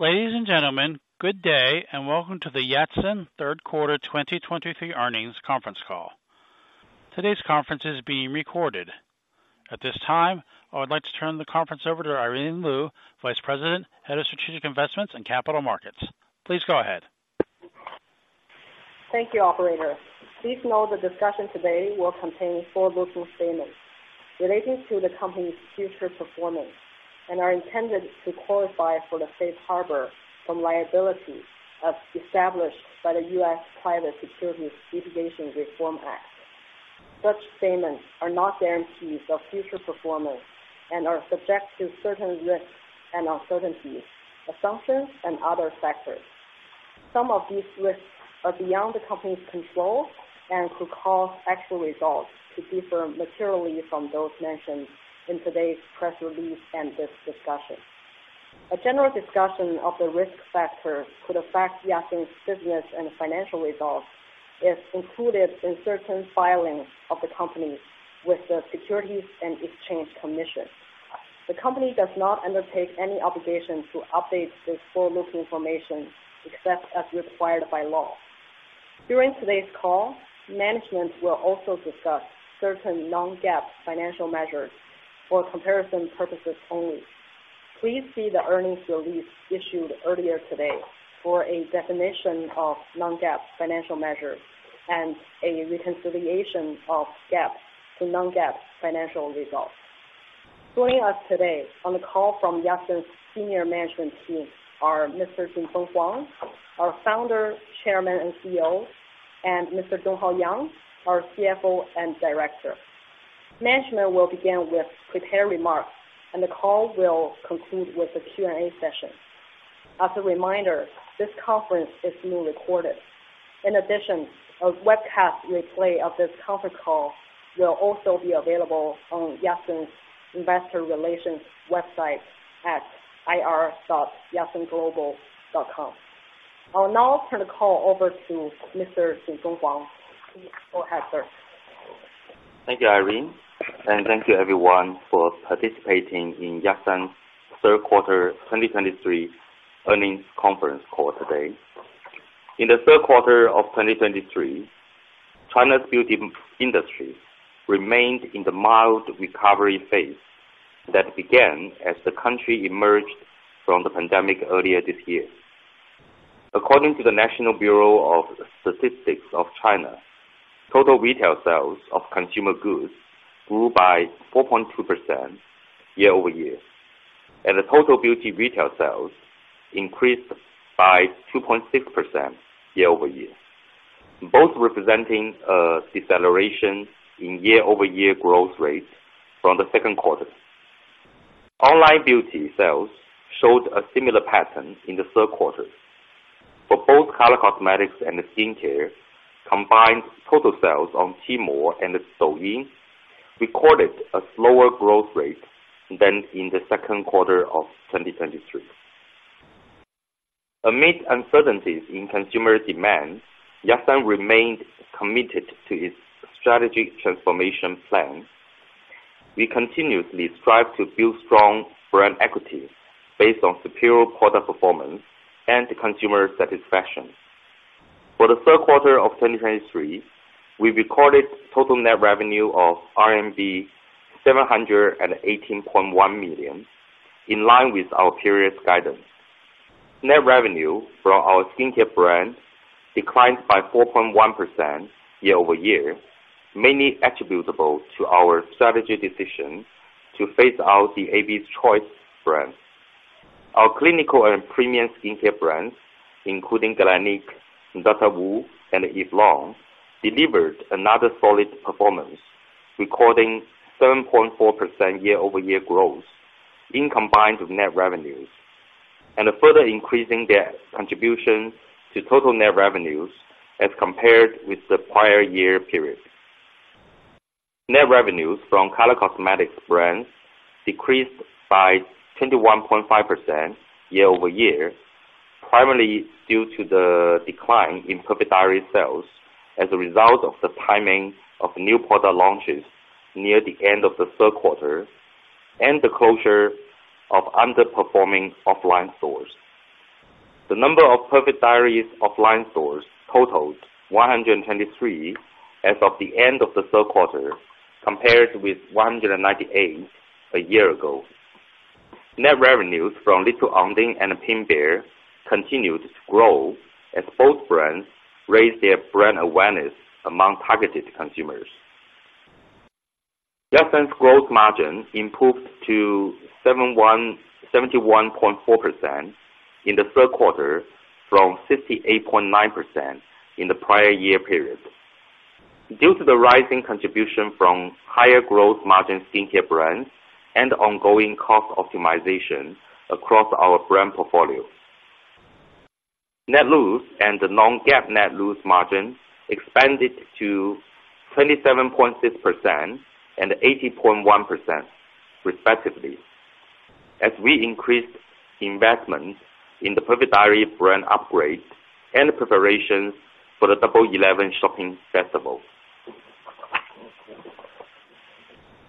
Ladies and gentlemen, good day, and welcome to the Yatsen Third Quarter 2023 Earnings Conference Call. Today's conference is being recorded. At this time, I would like to turn the conference over to Irene Lyu, Vice President, Head of Strategic Investments and Capital Markets. Please go ahead. Thank you, operator. Please note the discussion today will contain forward-looking statements relating to the company's future performance and are intended to qualify for the safe harbor from liability as established by the U.S. Private Securities Litigation Reform Act. Such statements are not guarantees of future performance and are subject to certain risks and uncertainties, assumptions and other factors. Some of these risks are beyond the company's control and could cause actual results to differ materially from those mentioned in today's press release and this discussion. A general discussion of the risk factors could affect Yatsen's business and financial results is included in certain filings of the company with the Securities and Exchange Commission. The company does not undertake any obligation to update this forward-looking information, except as required by law. During today's call, management will also discuss certain non-GAAP financial measures for comparison purposes only. Please see the earnings release issued earlier today for a definition of non-GAAP financial measures and a reconciliation of GAAP to non-GAAP financial results. Joining us today on the call from Yatsen's senior management team are Mr. Jinfeng Huang, our Founder, Chairman, and CEO, and Mr. Donghao Yang, our CFO and Director. Management will begin with prepared remarks, and the call will conclude with a Q&A session. As a reminder, this conference is being recorded. In addition, a webcast replay of this conference call will also be available on Yatsen's Investor Relations website at ir.yatsenglobal.com. I'll now turn the call over to Mr. Jinfeng Huang. Go ahead, sir. Thank you, Irene, and thank you everyone for participating in Yatsen's third quarter 2023 earnings conference call today. In the third quarter of 2023, China's beauty industry remained in the mild recovery phase that began as the country emerged from the pandemic earlier this year. According to the National Bureau of Statistics of China, total retail sales of consumer goods grew by 4.2% year-over-year, and the total beauty retail sales increased by 2.6% year-over-year, both representing a deceleration in year-over-year growth rates from the second quarter. Online beauty sales showed a similar pattern in the third quarter. For both color cosmetics and skincare, combined total sales on Tmall and Douyin recorded a slower growth rate than in the second quarter of 2023. Amid uncertainties in consumer demand, Yatsen remained committed to its strategic transformation plan. We continuously strive to build strong brand equity based on superior product performance and consumer satisfaction. For the third quarter of 2023, we recorded total net revenue of RMB 718.1 million, in line with our previous guidance. Net revenue from our skincare brand declined by 4.1% year-over-year, mainly attributable to our strategy decision to phase out the Abby's Choice brand. Our clinical and premium skincare brands, including Galénic, DR.WU, and Eve Lom, delivered another solid performance, recording 7.4% year-over-year growth in combined net revenues, and further increasing their contribution to total net revenues as compared with the prior year period. Net revenues from color cosmetics brands decreased by 21.5% year-over-year, primarily due to the decline in Perfect Diary sales as a result of the timing of new product launches near the end of the third quarter and the closure of underperforming offline stores. The number of Perfect Diary offline stores totaled 123 as of the end of the third quarter, compared with 198 a year ago. Net revenues from Little Ondine and Pink Bear continued to grow as both brands raised their brand awareness among targeted consumers. Yatsen's gross margin improved to 71.4% in the third quarter, from 68.9% in the prior year period. Due to the rising contribution from higher growth margin skincare brands and ongoing cost optimization across our brand portfolio, net loss and the non-GAAP net loss margin expanded to 27.6% and 80.1%, respectively, as we increased investment in the Perfect Diary brand upgrade and preparations for the Double Eleven shopping festival.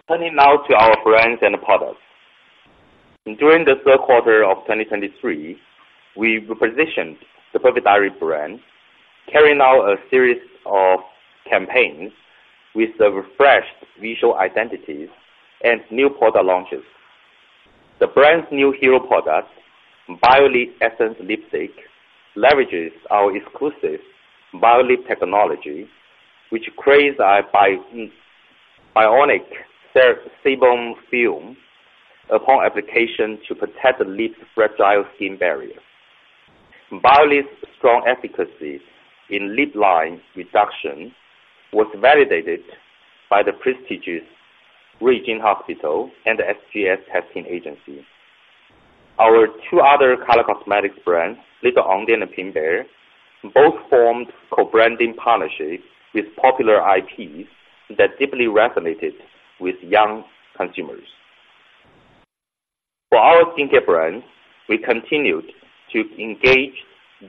Turning now to our brands and products. During the third quarter of 2023, we repositioned the Perfect Diary brand, carrying out a series of campaigns with the refreshed visual identities and new product launches. The brand's new hero product, Biolip Essence Lipstick, leverages our exclusive biolip technology, which creates a bionic sebum film upon application to protect the lip's fragile skin barrier. Biolip's strong efficacy in lip line reduction was validated by the prestigious Ruijin Hospital and the SGS testing agency. Our two other color cosmetics brands, Little Ondine and Pink Bear, both formed co-branding partnerships with popular IPs that deeply resonated with young consumers. For our skincare brands, we continued to engage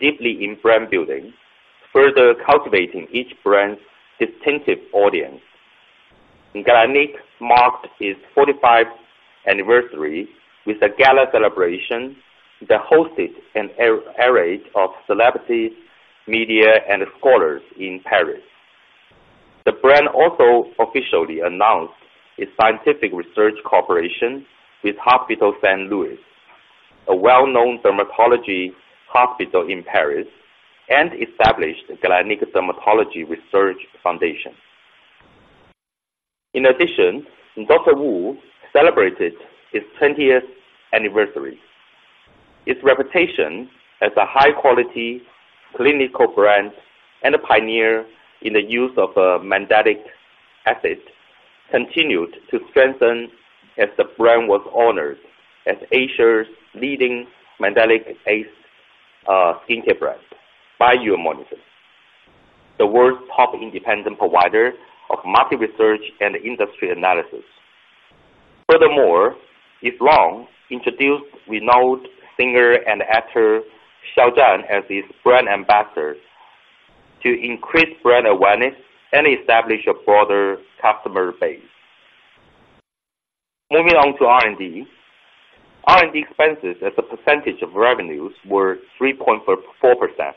deeply in brand building, further cultivating each brand's distinctive audience. Galénic marked its 45th anniversary with a gala celebration that hosted an array of celebrities, media, and scholars in Paris. The brand also officially announced its scientific research cooperation with Hospital Saint-Louis, a well-known dermatology hospital in Paris, and established the Galénic Dermatology Research Foundation. In addition, DR.WU celebrated its 20th anniversary. Its reputation as a high quality clinical brand and a pioneer in the use of mandelic acid continued to strengthen as the brand was honored as Asia's Leading Mandelic Acid Skincare Brand by Euromonitor, the world's top independent provider of market research and industry analysis. Furthermore, Eve Lom introduced renowned singer and actor Xiao Zhan as its brand ambassador to increase brand awareness and establish a broader customer base. Moving on to R&D. R&D expenses as a percentage of revenues were 3.4%-4%.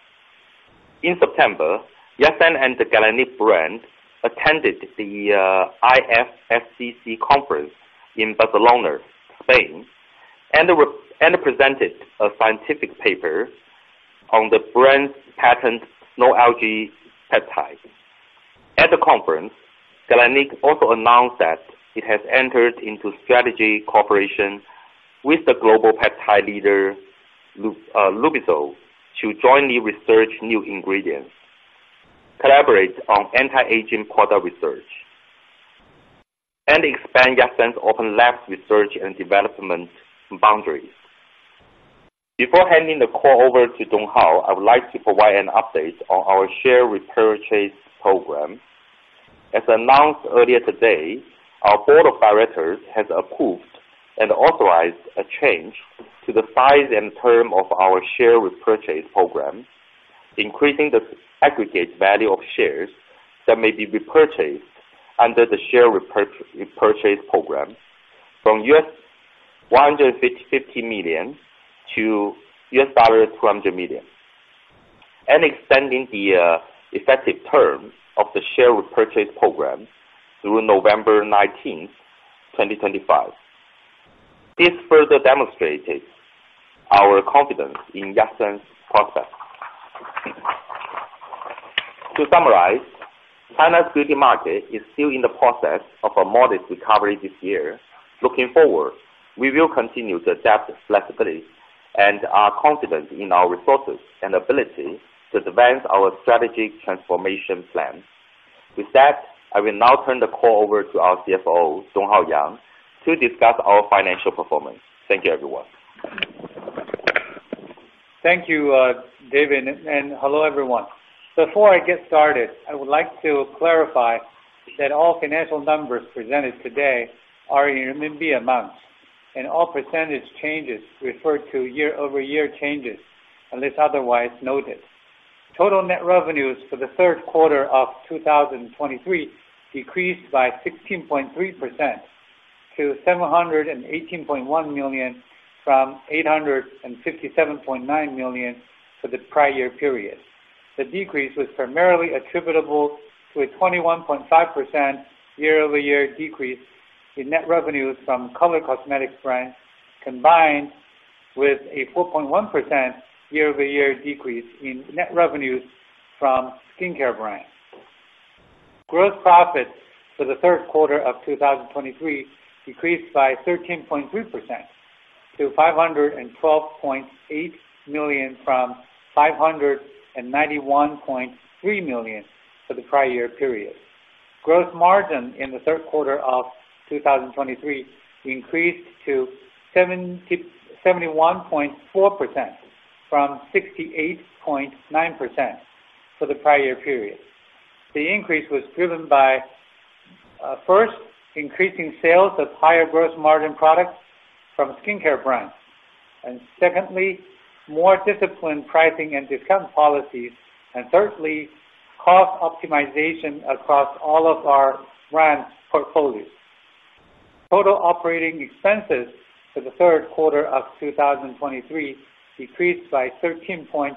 In September, Yatsen and the Galénic brand attended the IFSCC conference in Barcelona, Spain, and presented a scientific paper on the brand's patent, Snow Algae Peptide. At the conference, Galénic also announced that it has entered into strategic cooperation with the global peptide leader, Lubrizol, to jointly research new ingredients, collaborate on anti-aging product research, and expand Yatsen's open lab research and development boundaries. Before handing the call over to Donghao, I would like to provide an update on our share repurchase program. As announced earlier today, our board of directors has approved and authorized a change to the size and term of our share repurchase program, increasing the aggregate value of shares that may be repurchased under the share repurchase program from $150 million to $200 million, and extending the effective term of the share repurchase program through November nineteenth, 2025. This further demonstrates our confidence in Yatsen's prospects. To summarize, China's beauty market is still in the process of a modest recovery this year. Looking forward, we will continue to adapt flexibly and are confident in our resources and ability to advance our strategic transformation plan. With that, I will now turn the call over to our CFO, Donghao Yang, to discuss our financial performance. Thank you, everyone. Thank you, David, and hello, everyone. Before I get started, I would like to clarify that all financial numbers presented today are in renminbi amounts, and all percentage changes refer to year-over-year changes, unless otherwise noted. Total net revenues for the third quarter of 2023 decreased by 16.3% to 718.1 million, from 857.9 million for the prior period. The decrease was primarily attributable to a 21.5% year-over-year decrease in net revenues from color cosmetics brands, combined with a 4.1% year-over-year decrease in net revenues from skincare brands. Gross profit for the third quarter of 2023 decreased by 13.3% to 512.8 million, from 591.3 million for the prior period. Gross margin in the third quarter of 2023 increased to 71.4% from 68.9% for the prior period. The increase was driven by first, increasing sales of higher gross margin products from skincare brands and secondly, more disciplined pricing and discount policies, and thirdly, cost optimization across all of our brand portfolios. Total operating expenses for the third quarter of 2023 decreased by 13.1%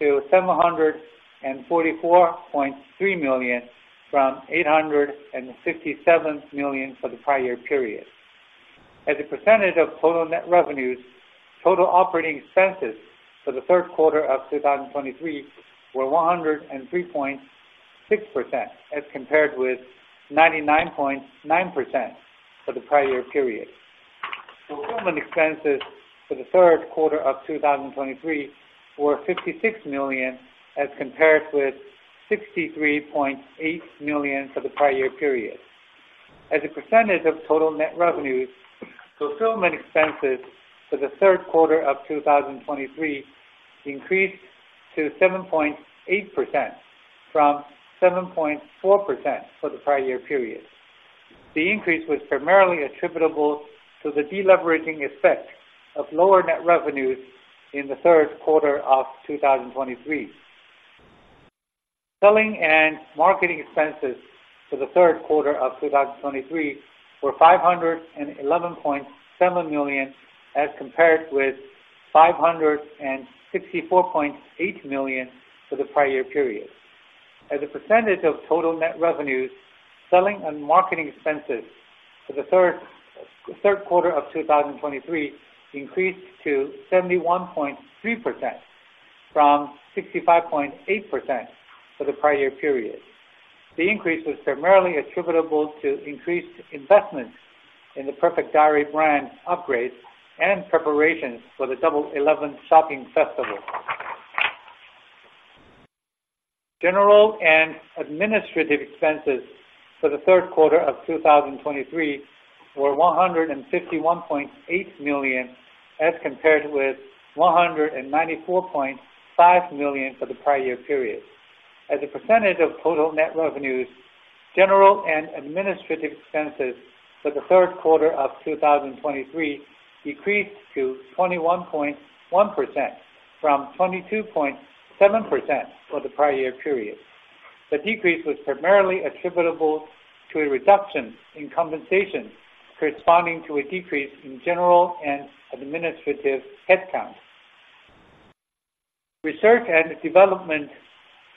to 744.3 million, from 857 million for the prior period. As a percentage of total net revenues, total operating expenses for the third quarter of 2023 were 103.6%, as compared with 99.9% for the prior period. Fulfillment expenses for the third quarter of 2023 were 56 million, as compared with 63.8 million for the prior period. As a percentage of total net revenues, fulfillment expenses for the third quarter of 2023 increased to 7.8% from 7.4% for the prior period. The increase was primarily attributable to the deleveraging effect of lower net revenues in the third quarter of 2023. Selling and marketing expenses for the third quarter of 2023 were 511.7 million, as compared with 564.8 million for the prior period. As a percentage of total net revenues, selling and marketing expenses for the third quarter of 2023 increased to 71.3% from 65.8% for the prior period. The increase was primarily attributable to increased investments in the Perfect Diary brand upgrade and preparations for the Double Eleven Shopping Festival. General and administrative expenses for the third quarter of 2023 were 151.8 million, as compared with 194.5 million for the prior period. As a percentage of total net revenues, general and administrative expenses for the third quarter of 2023 decreased to 21.1% from 22.7% for the prior period. The decrease was primarily attributable to a reduction in compensation, corresponding to a decrease in general and administrative headcount. Research and development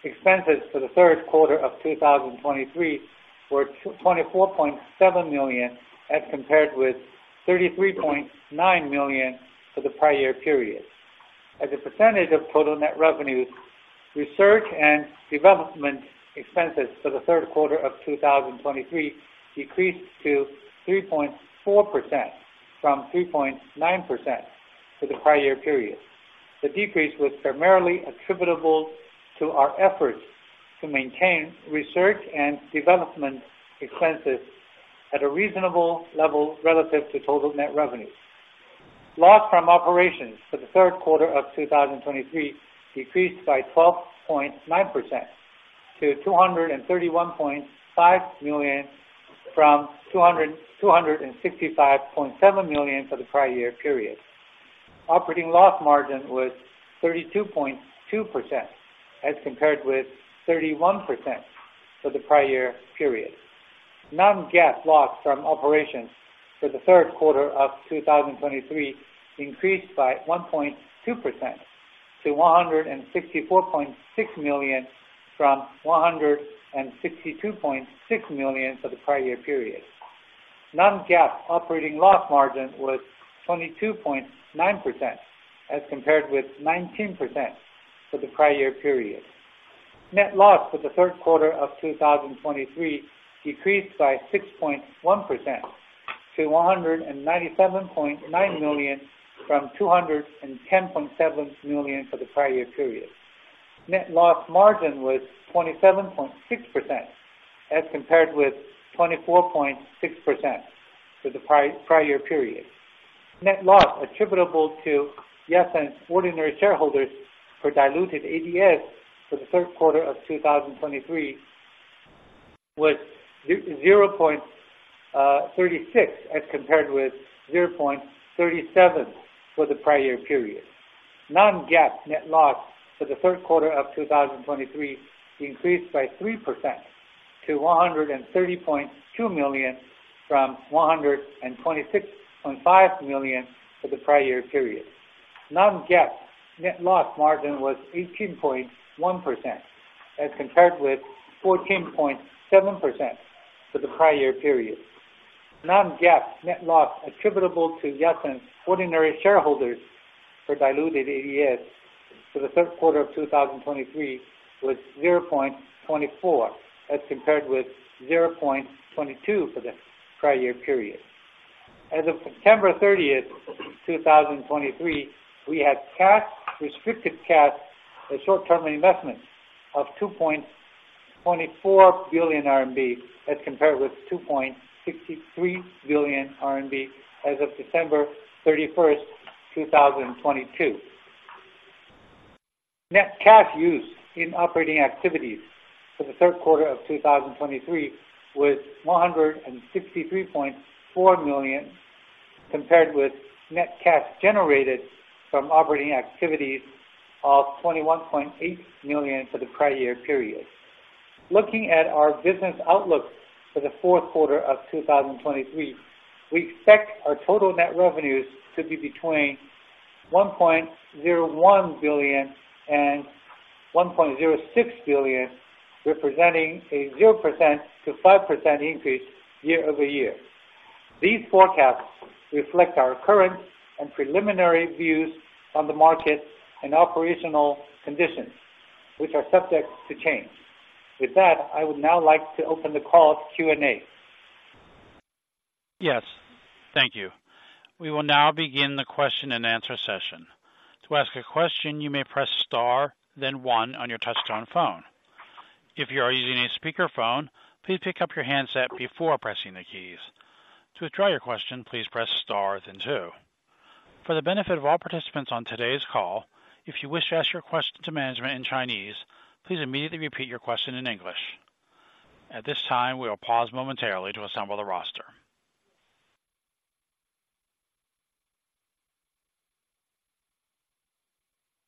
expenses for the third quarter of 2023 were 24.7 million, as compared with 33.9 million for the prior period. As a percentage of total net revenues, research and development expenses for the third quarter of 2023 decreased to 3.4% from 3.9% for the prior period. The decrease was primarily attributable to our efforts to maintain research and development expenses at a reasonable level relative to total net revenues. Loss from operations for the third quarter of 2023 decreased by 12.9% to 231.5 million from 265.7 million for the prior period. Operating loss margin was 32.2%, as compared with 31% for the prior period. Non-GAAP loss from operations for the third quarter of 2023 increased by 1.2% to 164.6 million from 162.6 million for the prior period. Non-GAAP operating loss margin was 22.9%, as compared with 19% for the prior period. Net loss for the third quarter of 2023 decreased by 6.1% to 197.9 million from 210.7 million for the prior period. Net loss margin was 27.6%, as compared with 24.6% for the prior period. Net loss attributable to Yatsen ordinary shareholders per diluted ADS for the third quarter of 2023 was 0.36, as compared with 0.37 for the prior period. Non-GAAP net loss for the third quarter of 2023 increased by 3% to 130.2 million from 126.5 million for the prior period. Non-GAAP net loss margin was 18.1%, as compared with 14.7% for the prior period. Non-GAAP net loss attributable to Yatsen ordinary shareholders for diluted ADS for the third quarter of 2023 was 0.24, as compared with 0.22 for the prior period. As of September 30th, 2023, we had cash, restricted cash, and short-term investments of 2.24 billion RMB, as compared with 2.63 billion RMB as of December 31st, 2022. Net cash use in operating activities for the third quarter of 2023 was 163.4 million, compared with net cash generated from operating activities of 21.8 million for the prior year period. Looking at our business outlook for the fourth quarter of 2023, we expect our total net revenues to be between 1.01 billion and 1.06 billion, representing a 0%-5% increase year-over-year. These forecasts reflect our current and preliminary views on the market and operational conditions, which are subject to change. With that, I would now like to open the call to Q&A. Yes, thank you. We will now begin the question and answer session. To ask a question, you may press star, then one on your touchtone phone. If you are using a speakerphone, please pick up your handset before pressing the keys. To withdraw your question, please press star then two. For the benefit of all participants on today's call, if you wish to ask your question to management in Chinese, please immediately repeat your question in English. At this time, we will pause momentarily to assemble the roster.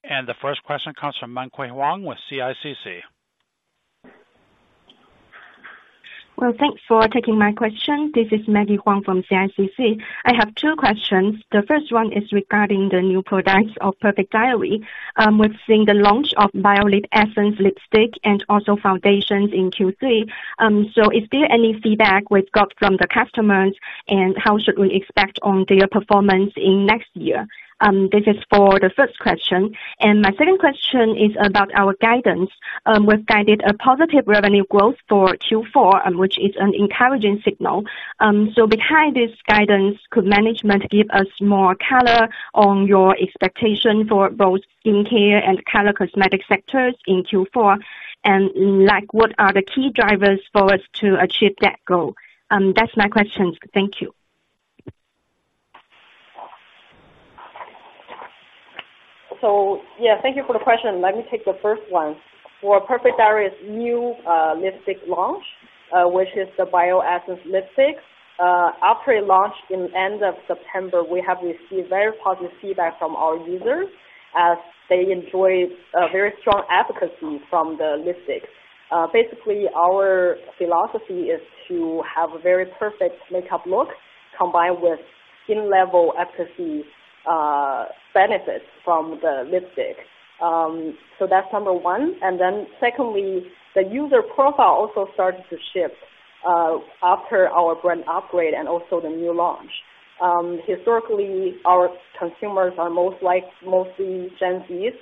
The first question comes from Maggie Huang with CICC. Well, thanks for taking my question. This is Maggie Huang from CICC. I have two questions. The first one is regarding the new products of Perfect Diary. We're seeing the launch of Bio Lip Essence Lipstick and also foundations in Q3. So is there any feedback we've got from the customers, and how should we expect on their performance in next year? This is for the first question. And my second question is about our guidance. We've guided a positive revenue growth for Q4, and which is an encouraging signal. So behind this guidance, could management give us more color on your expectation for both skincare and color cosmetic sectors in Q4? And like, what are the key drivers for us to achieve that goal? That's my questions. Thank you. So yeah, thank you for the question. Let me take the first one. For Perfect Diary's new lipstick launch, which is the Bio Lip Essence lipsticks. After it launched at the end of September, we have received very positive feedback from our users as they enjoy very strong efficacy from the lipsticks. Basically, our philosophy is to have a very perfect makeup look, combined with skin-level efficacy benefits from the lipstick. So that's number one. And then secondly, the user profile also started to shift after our brand upgrade and also the new launch. Historically, our consumers are most like mostly Gen Zs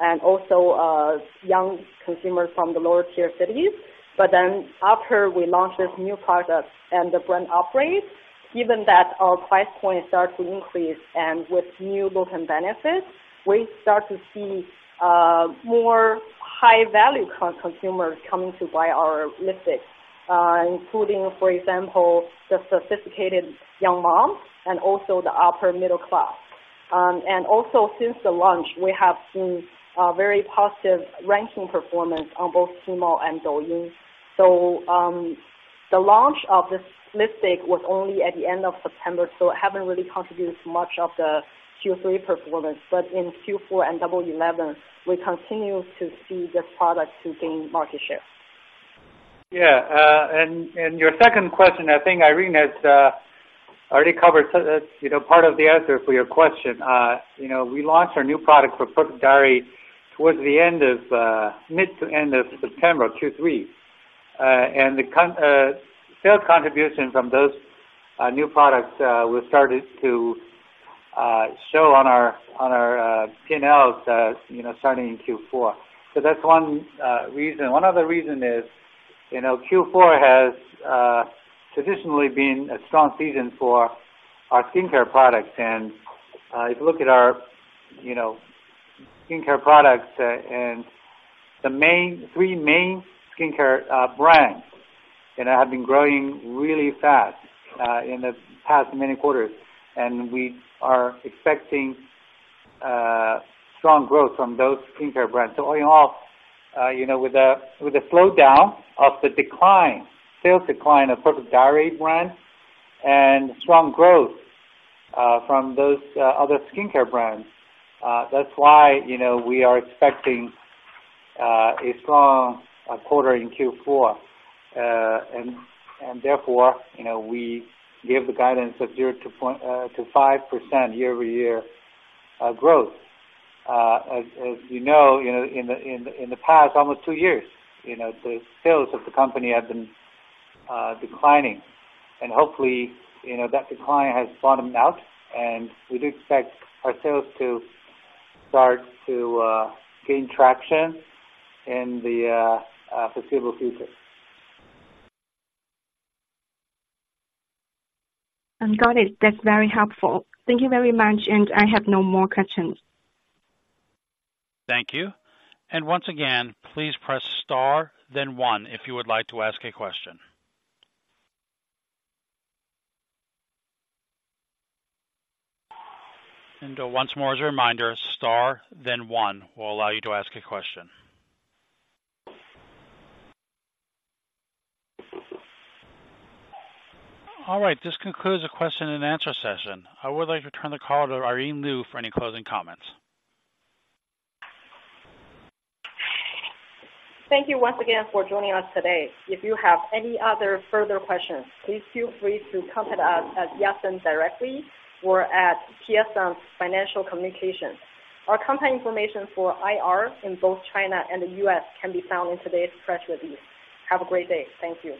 and also young consumers from the lower-tier cities. But then after we launched this new product and the brand upgrade, given that our price point starts to increase and with new look and benefits, we start to see more high-value consumers coming to buy our lipsticks, including, for example, the sophisticated young mom and also the upper middle class. And also, since the launch, we have seen very positive ranking performance on both Tmall and Douyin. So, the launch of this lipstick was only at the end of September, so it haven't really contributed much of the Q3 performance. But in Q4 and Double Eleven, we continue to see this product to gain market share. Yeah, and your second question, I think Irene has already covered, so, you know, part of the answer for your question. You know, we launched our new product for Perfect Diary towards the end of mid to end of September, Q3. And the sales contribution from those new products, we've started to show on our PNLs, you know, starting in Q4. So that's one reason. One other reason is, you know, Q4 has traditionally been a strong season for our skincare products. And, if you look at our, you know, skincare products, and the three main skincare brands, you know, have been growing really fast in the past many quarters, and we are expecting strong growth from those skincare brands. So all in all, you know, with the slowdown of the decline, sales decline of Perfect Diary brand and strong growth from those other skincare brands, that's why, you know, we are expecting a strong quarter in Q4. And therefore, you know, we give the guidance of 0 to 5% year-over-year growth. As you know, in the past, almost two years, you know, the sales of the company have been declining. And hopefully, you know, that decline has bottomed out, and we do expect our sales to start to gain traction in the foreseeable future. Got it. That's very helpful. Thank you very much, and I have no more questions. Thank you. And once again, please press star then one, if you would like to ask a question. And once more as a reminder, star then one will allow you to ask a question. All right, this concludes the question and answer session. I would like to turn the call to Irene Lyu for any closing comments. Thank you once again for joining us today. If you have any other further questions, please feel free to contact us at Yatsen directly or at Yatsen Financial Communications. Our company information for IR in both China and the U.S. can be found in today's press release. Have a great day. Thank you.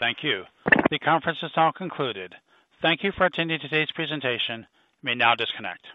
Thank you. The conference is now concluded. Thank you for attending today's presentation. You may now disconnect.